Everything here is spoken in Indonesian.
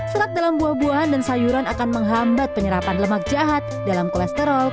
serat dalam buah buahan dan sayuran akan menghambat penyerapan lemak jahat dalam kolesterol